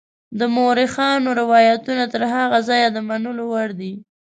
د مورخانو روایتونه تر هغه ځایه د منلو دي.